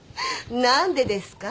何でですか？